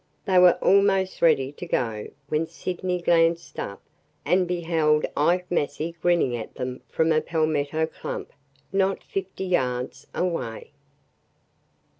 They were almost ready to go when Sydney glanced up and beheld Ike Massey grinning at them from a palmetto clump not fifty yards away.